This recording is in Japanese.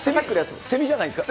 セミじゃないんですか？